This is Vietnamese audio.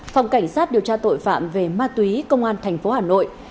phòng cảnh sát điều tra tội phạm về ma túy công an tp hà nội